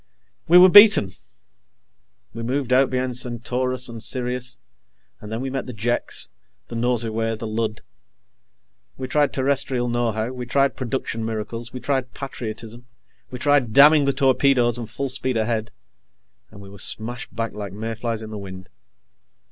We were beaten. We moved out beyond Centaurus, and Sirius, and then we met the Jeks, the Nosurwey, the Lud. We tried Terrestrial know how, we tried Production Miracles, we tried patriotism, we tried damning the torpedoes and full speed ahead ... and we were smashed back like mayflies in the wind.